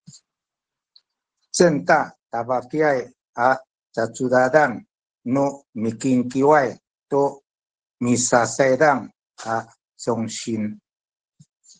dengtal Cengce tabakiaya a cacudadan nu pikingkiwan tu misayincumincuay a congsin